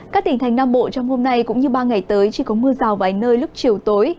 các tỉnh thành nam bộ trong hôm nay cũng như ba ngày tới chỉ có mưa rào vài nơi lúc chiều tối